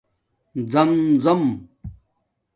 زَمزم